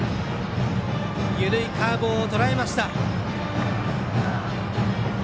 緩いカーブをとらえました。